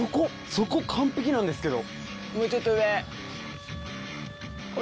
そこ完璧なんですけど。